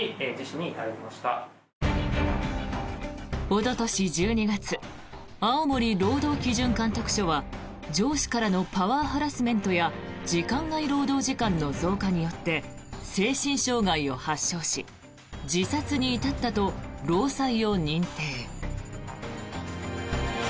おととし１２月青森労働基準監督署は上司からのパワーハラスメントや時間外労働時間の増加によって精神障害を発症し自殺に至ったと労災を認定。